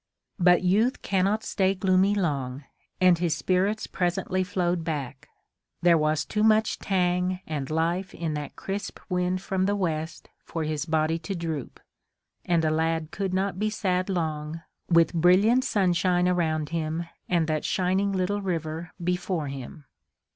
But youth cannot stay gloomy long, and his spirits presently flowed back. There was too much tang and life in that crisp wind from the west for his body to droop, and a lad could not be sad long, with brilliant sunshine around him and that shining little river before him.